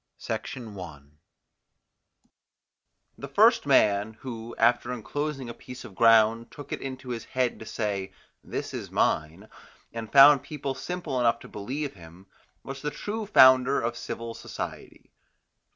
SECOND PART The first man, who, after enclosing a piece of ground, took it into his head to say, "This is mine," and found people simple enough to believe him, was the true founder of civil society.